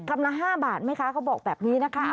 กำลังละ๕บาทแม่คะก็บอกแบบนี้นะคะ